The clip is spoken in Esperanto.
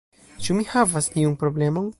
Ĉu mi havas iun problemon?